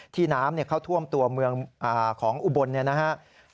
ที่น้ำเขาท่วมตัวเมืองของอุบรนะครับ